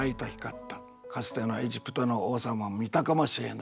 かつてのエジプトの王様も見たかもしれない。